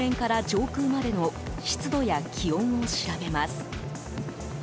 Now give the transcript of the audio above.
上空までの湿度や気温を調べます。